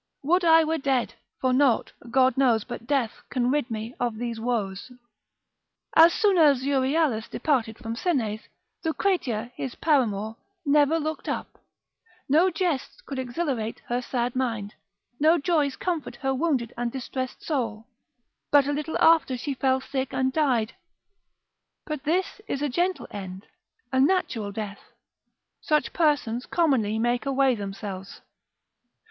Would I were dead, for nought, God knows, But death can rid me of these woes. As soon as Euryalus departed from Senes, Lucretia, his paramour, never looked up, no jests could exhilarate her sad mind, no joys comfort her wounded and distressed soul, but a little after she fell sick and died. But this is a gentle end, a natural death, such persons commonly make away themselves.